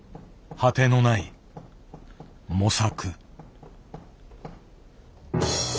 果てのない模索。